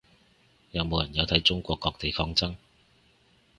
有冇人有睇中國各地抗爭